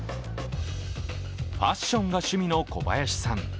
ファッションが趣味の小林さん。